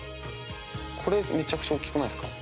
これめちゃくちゃ大っきくないですか。